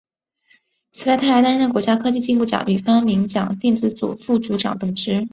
此外他还担任国家科技进步奖与发明奖电子组副组长等职。